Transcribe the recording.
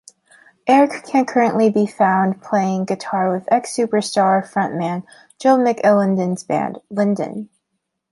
Eric can currently be found playing guitar with ex-Superstar frontman Joe McAlinden's band Linden.